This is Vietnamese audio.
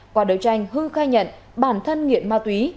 qua đấu tranh hưng khai nhận bản thân nghiện ma túy